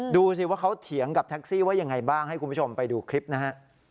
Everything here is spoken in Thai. ดูสิว่าเขาเถียงกับแท็กซี่ว่ายังไงบ้างให้คุณผู้ชมไปดูคลิปนะฮะ